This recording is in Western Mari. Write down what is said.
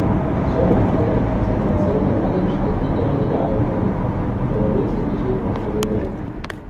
Сёма тӹдӹлӓн концентрационный лагерьӹштӹ икӓнӓ веле агыл попен: «Революци эче поспейӹдерӓк...